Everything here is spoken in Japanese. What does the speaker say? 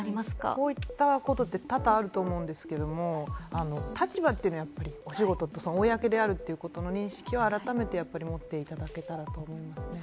こういったことって多々あると思うんですけれども、立場というのを、公であるということの認識を改めて思っていただけたらと思いますね。